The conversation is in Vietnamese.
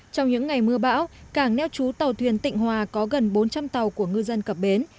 trong những ngày mưa bão cảng neo trú tàu thuyền tịnh hòa có gần bốn trăm linh tàu của ngư dân cập bến